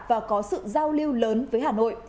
và có sự giao lưu lớn với hà nội